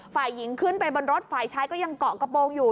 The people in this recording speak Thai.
ฝ่ายหญิงขึ้นไปบนรถฝ่ายชายก็ยังเกาะกระโปรงอยู่